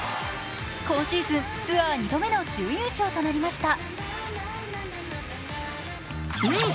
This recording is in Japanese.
今シーズンツアー２度目の準優勝となりました。